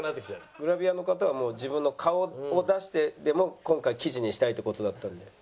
「グラビアの方はもう自分の顔を出してでも今回記事にしたいって事だったんで」。